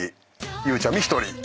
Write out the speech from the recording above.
ゆうちゃみ１人。